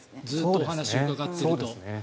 ずっとお話を伺っていると。